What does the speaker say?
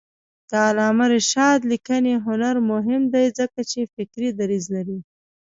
د علامه رشاد لیکنی هنر مهم دی ځکه چې فکري دریځ لري.